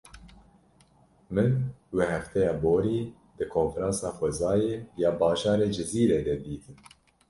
Min, we hefteya borî di konferansa xwezayê ya bajarê Cizîrê de dîtin.